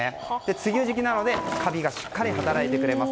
梅雨の時期なのでカビがはっきり働いてくれます。